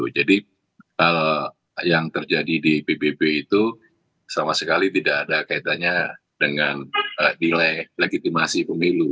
jadi yang terjadi di bbb itu sama sekali tidak ada kaitannya dengan nilai legitimasi pemilu